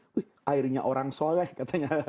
wih airnya orang soleh katanya